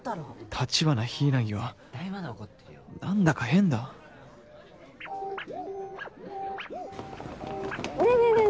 橘柊は何だか変だねぇねぇねぇ